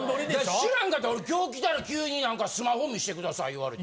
知らへんかった今日来たら急にスマホ見せてください言われて。